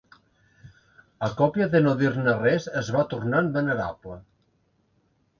A copia de no dir-ne res, es va tornant venerable